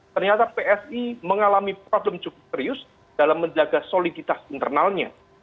ternyata psi mengalami problem cukup serius dalam menjaga soliditas internalnya